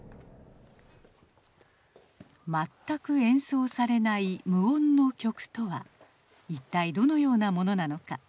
全く演奏されない無音の曲とは一体どのようなものなのか。